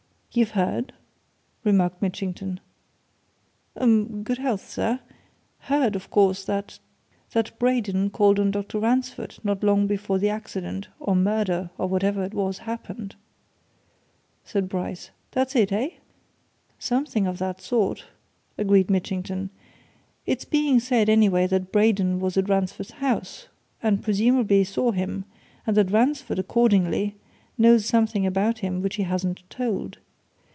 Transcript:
"You've heard?" remarked Mitchington. "Um! Good health, sir! heard, of course, that " "That Braden called on Dr. Ransford not long before the accident, or murder, or whatever it was, happened," said Bryce. "That's it eh?" "Something of that sort," agreed Mitchington. "It's being said, anyway, that Braden was at Ransford's house, and presumably saw him, and that Ransford, accordingly, knows something about him which he hasn't told.